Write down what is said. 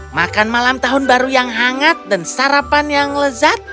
makan malam tahun baru yang hangat dan sarapan yang lezat